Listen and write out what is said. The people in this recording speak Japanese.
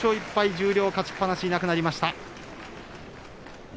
十両の勝ちっぱなしがいなくなりました。